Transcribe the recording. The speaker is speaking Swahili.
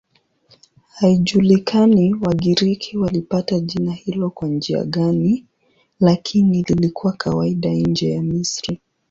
Haijulikani Wagiriki walipata jina hilo kwa njia gani, lakini lilikuwa kawaida nje ya Misri.